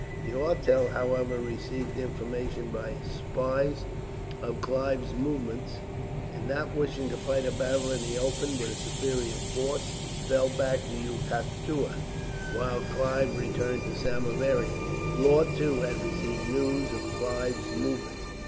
D'Auteuil, however, received information by his spies of Clive's movement, and not wishing to fight a battle in the open, with a superior force, fell back to Utatua, while Clive returned to Samieaveram. Law, too, had received news of Clive's movement.